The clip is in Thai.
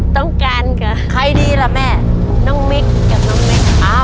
ต้องการค่ะ